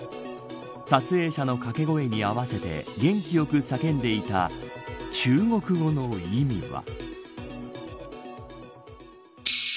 撮影者の掛け声に合わせて元気よく叫んでいた中国語の意味は。